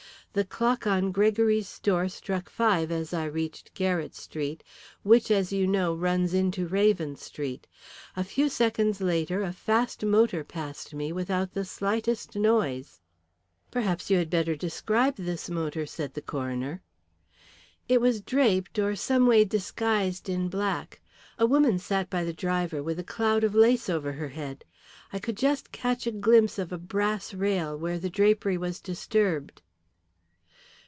The clock on Gregory's store struck five as I reached Garrett Street, which, as you know, runs into Raven Street. A few seconds later a fast motor passed me without the slightest noise." "Perhaps you had better describe this motor," said the coroner. "It was draped or some way disguised in black. A woman sat by the driver, with a cloud of lace over her head. I could just catch a glimpse of a brass rail where the drapery was disturbed."